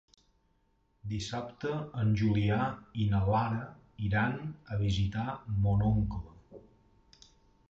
Dissabte en Julià i na Lara iran a visitar mon oncle.